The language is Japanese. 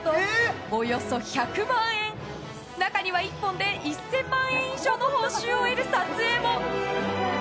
およそ１００万円中には１本で１０００万円以上の報酬を得る撮影も。